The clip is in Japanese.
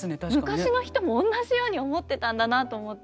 昔の人もおんなじように思ってたんだなと思って。